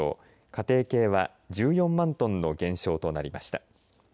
家庭系は１４万トンの減少となりました。